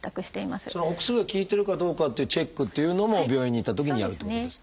そのお薬が効いてるかどうかっていうチェックっていうのも病院に行ったときにやるってことですか？